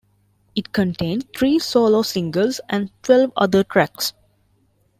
It contained three solo singles and twelve other tracks.